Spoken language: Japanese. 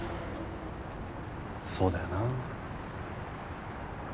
そうだよな。